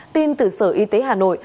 tin từ sở y tế hà nội